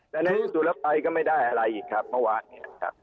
แต่ในรุ่นสุดแล้วไปก็ไม่ได้อะไรอีกครับเมื่อวานนี้